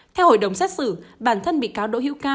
theo hội đồng xét xử bản thân bị cáo đỗ hữu ca